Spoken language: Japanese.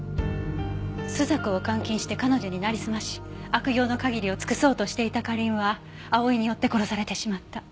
朱雀を監禁して彼女になりすまし悪行の限りを尽くそうとしていた花凛は葵によって殺されてしまった。